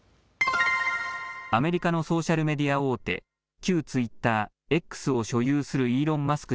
アメリカのソーシャルメディア大手、旧ツイッター、Ｘを所有するイーロン・マスク